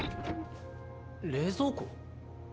冷蔵庫？